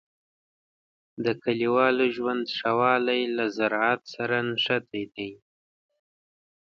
د کلیوالو ژوند ښه والی له زراعت سره نښتی دی.